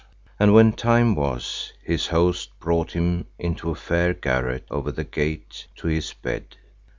And when time was, his host brought him into a fair garret, over the gate, to his bed.